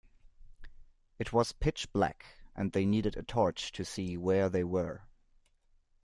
It was pitch black, and they needed a torch to see where they were